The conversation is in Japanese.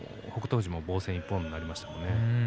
富士も防戦一方になりましたね。